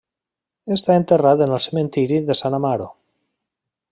Està enterrat en el cementiri de San Amaro.